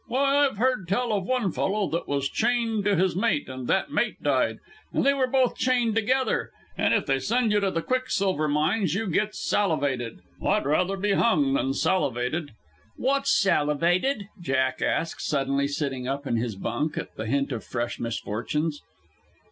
Why, I've heard tell of one fellow that was chained to his mate, and that mate died. And they were both chained together! And if they send you to the quicksilver mines you get salivated. I'd rather be hung than salivated." "Wot's salivated?" Jack asked, suddenly sitting up in his bunk at the hint of fresh misfortunes.